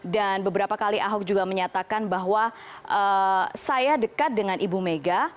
dan beberapa kali ahok juga menyatakan bahwa saya dekat dengan ibu mega